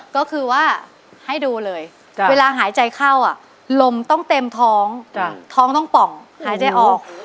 ก็คือว่าให้ดูเลยเวลาหายใจเข้าลมต้องเต็มท้องท้องต้องป่องหายใจออก